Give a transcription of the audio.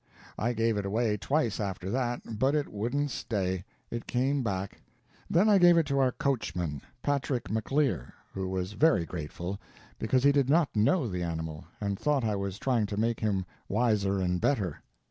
I gave it away twice after that, but it wouldn't stay; it came back. Then I gave it to our coachman, Patrick McAleer, who was very grateful, because he did not know the animal, and thought I was trying to make him wiser and better.